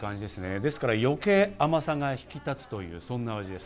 ですから余計に甘さが引き立つというそんな味です。